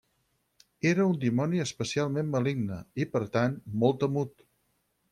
Era un dimoni especialment maligne, i per tant molt temut.